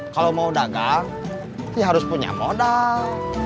kalau mau dagang pasti harus punya modal